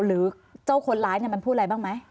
หรือเจ้าคนร้ายมันพูดอะไรบ้างไหม